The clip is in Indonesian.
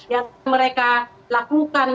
yang mereka lakukan